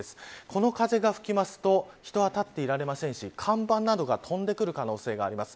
この風が吹くと人は立っていられませんし看板などが飛んでくる可能性があります。